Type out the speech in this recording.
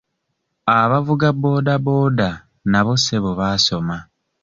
Abavuga boodabooda nabo ssebo baasoma.